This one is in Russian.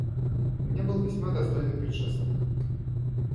У меня был весьма достойный предшественник.